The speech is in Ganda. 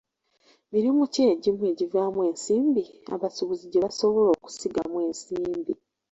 Mirimu ki egimu egivaamu ensimbi abasuubuzi gye basobola okusigamu ensimbi.